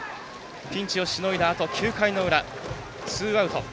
ピンチをしのいだあと９回の裏、ツーアウト。